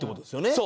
そう。